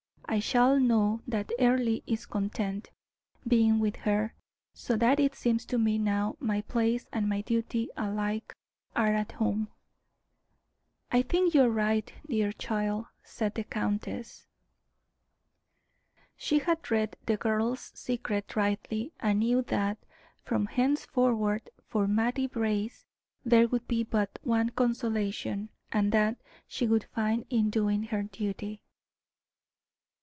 I shall know that Earle is content, being with her; so that it seems to me now my place and my duty alike are at home." "I think you are right, dear child," said the countess. She had read the girl's secret rightly, and knew that, from henceforward, for Mattie Brace, there would be but one consolation, and that she would find in doing her duty.